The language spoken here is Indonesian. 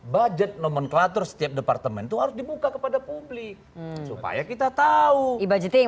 budget nomenklatur setiap departemen tuh harus dibuka kepada publik supaya kita tahu ibadeting